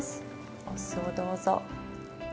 お酢をどうぞ。